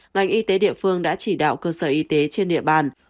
ngành y tế địa phương đã chỉ đạo cơ sở y tế trên địa bàn